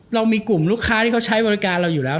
เรามีกลุ่มลูกค้าที่เขาใช้บริการเราอยู่แล้ว